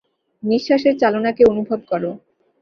নিশ্বাসের চালনাকে অনুভব করো।